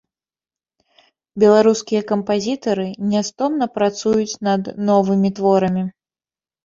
Беларускія кампазітары нястомна працуюць над новымі творамі.